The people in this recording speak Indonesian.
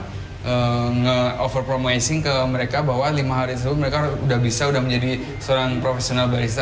kita juga tidak pernah overpromising ke mereka bahwa lima hari sebelum mereka sudah bisa menjadi seorang profesional barista